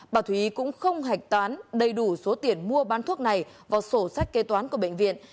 bà thúy cũng không hạch toán đầy đủ số tiền mua bán thuốc này vào sổ sách kế toán của bệnh viện